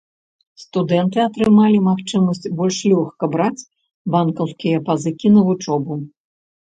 Студэнты атрымалі магчымасць больш лёгка браць банкаўскія пазыкі на вучобу.